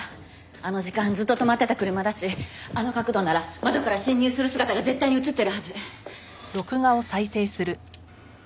あの時間ずっと止まってた車だしあの角度なら窓から侵入する姿が絶対に映ってるはず。